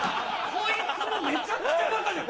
こいつもめちゃくちゃバカじゃん。